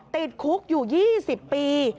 ติดคุกอยู่๒๐ปี